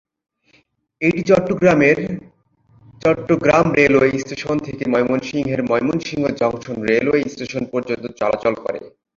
এটি চট্টগ্রামের Chittagong railway station থেকে ময়মনসিংহের ময়মনসিংহ জংশন রেলওয়ে স্টেশন পর্যন্ত চলাচল করে।